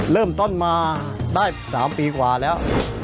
เริ่มต้นมาได้๓ปีกว่าแล้ว